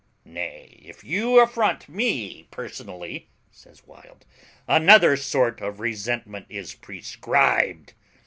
"Nay, if you affront me personally," says Wild, "another sort of resentment is prescribed."